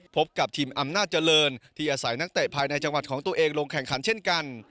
พบกับทีมอำนาจเจริญที่อาศัยนักเตะภายในจังหวัดของตัวเองลงแข่งขันเช่นกัน